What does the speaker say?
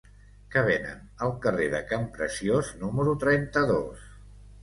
Què venen al carrer de Campreciós número trenta-dos?